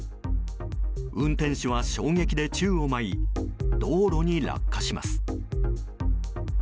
運転手は衝撃で宙を舞い道路に落下します。